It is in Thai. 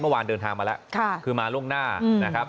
เมื่อวานเดินทางมาแล้วคือมาล่วงหน้านะครับ